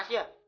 siapa lagi tuh